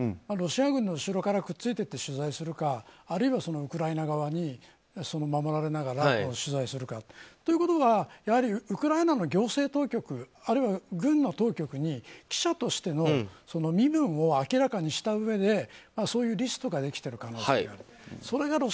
ロシア軍の後ろからくっついていって取材するか、あるいはウクライナ側に守られながら取材するか。ということは、やはりウクライナの行政当局あるいは軍の当局に記者としての身分を明らかにしたうえでそういうリストができている可能性が。